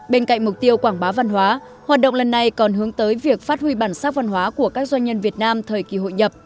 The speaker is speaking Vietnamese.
bên cạnh mục tiêu quảng bá văn hóa hoạt động lần này còn hướng tới việc phát huy bản sắc văn hóa của các doanh nhân việt nam thời kỳ hội nhập